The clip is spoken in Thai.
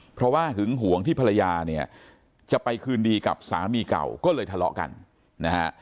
เพราะว่าหึงหวงที่ภรรยาเนี่ยจะไปคืนดีกับสามีเก่าก็เลยทะเลาะกันนะฮะ